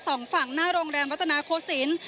สองฝั่งหน้าโรงแรมวัตนาโคศิลป์